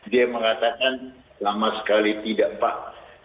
dia mengatakan lama sekali tidak pak